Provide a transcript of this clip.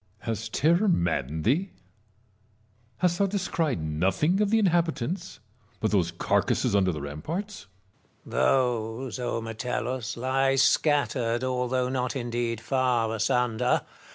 Metellus. Has terror maddened thee 1 hast thou descried nothing of the inhabitants but those carcasses under the ramparts 1 Marius. Those, O Metellus, lie scattered, although not indeed far asunder.